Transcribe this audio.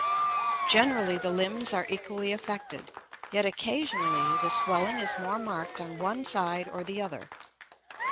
Generally the limbs are equally affected, yet occasionally the swelling is more marked on one side or the other.